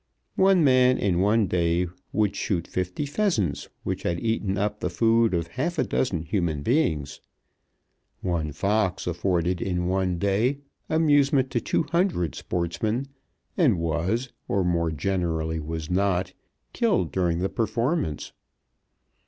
One man in one day would shoot fifty pheasants which had eaten up the food of half a dozen human beings. One fox afforded in one day amusement to two hundred sportsmen, and was or more generally was not killed during the performance.